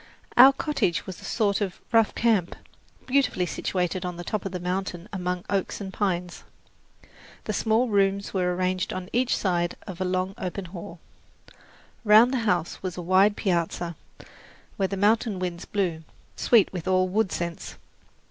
Our cottage was a sort of rough camp, beautifully situated on the top of the mountain among oaks and pines. The small rooms were arranged on each side of a long open hall. Round the house was a wide piazza, where the mountain winds blew, sweet with all wood scents.